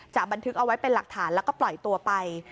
บันทึกเอาไว้เป็นหลักฐานแล้วก็ปล่อยตัวไป